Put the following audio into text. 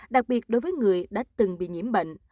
đặc biệt đối với người đã từng bị nhiễm bệnh